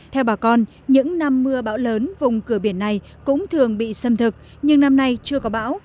theo bà con những năm mưa bão lớn vùng cửa biển này cũng thường bị xâm thực nhưng năm nay chưa có bão